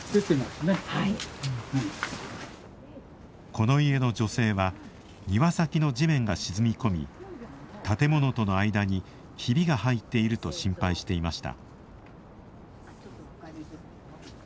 この家の女性は庭先の地面が沈み込み建物との間にひびが入っていると心配していました。